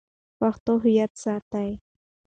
پښتو هویت ساتي.